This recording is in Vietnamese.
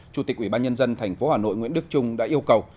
chủ tịch ủy ban nhân dân thành phố hà nội nguyễn đức trung đã yêu cầu